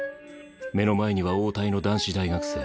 目の前には横隊の男子大学生。